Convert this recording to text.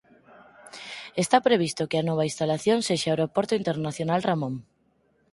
Está previsto que a nova instalación sexa o Aeroporto Internacional Ramon.